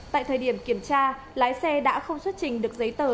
tại thời điểm kiểm tra lái xe đã không xuất trình được giấy tờ